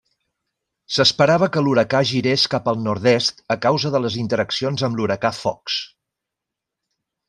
S'esperava que l'huracà girés cap al nord-est a causa de les interaccions amb l'huracà Fox.